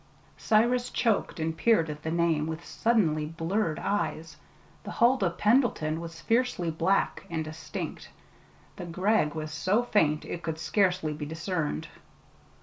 Cyrus choked, and peered at the name with suddenly blurred eyes: the "Huldah Pendleton" was fiercely black and distinct; the "Gregg" was so faint it could scarcely be discerned.